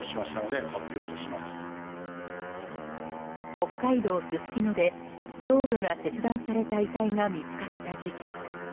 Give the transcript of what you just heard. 北海道すすきので頭部が切断された遺体が見つかった事件。